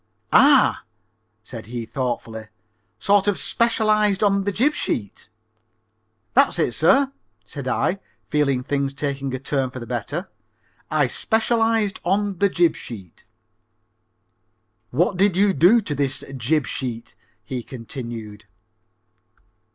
"Ah," said he thoughtfully, "sort of specialized on the jib sheet?" "That's it, sir," said I, feeling things taking a turn for the better. "I specialized on the jib sheet." "What did you do to this jib sheet?" he continued.